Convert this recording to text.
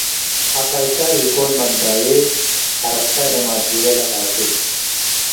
ዐቀይታይ ኢኮን መንባዬ - ሐረስታይ ለማሼል ለኣቴ